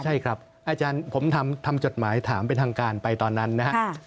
ใช่ครับอาจารย์ผมทำจดหมายถามเป็นทางการไปตอนนั้นนะครับ